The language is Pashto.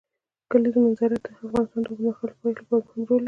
د کلیزو منظره د افغانستان د اوږدمهاله پایښت لپاره مهم رول لري.